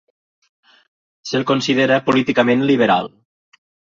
Se'l considera políticament liberal.